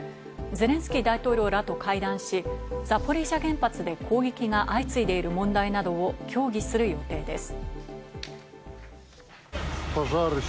ゼレンスキー大統領らと会談し、ザポリージャ原発で攻撃が相次いでいる問題などを協議する予定です。